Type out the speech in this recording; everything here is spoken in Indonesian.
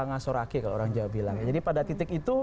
ngasoraki kalau orang jawa bilang jadi pada titik itu